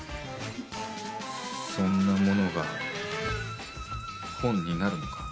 そんなものが本になるのか？